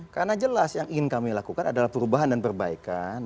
karena jelas yang ingin kami lakukan adalah perubahan dan perbaikan